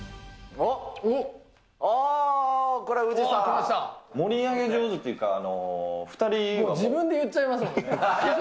あー、盛り上げ上手というか、自分で言っちゃいますもんね。